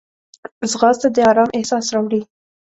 ځغاسته د آرام احساس راوړي